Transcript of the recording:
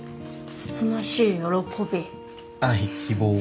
「つつましい喜び」「愛希望」